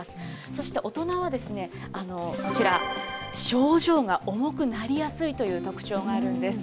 そして、大人はこちら、症状が重くなりやすいという特徴があるんです。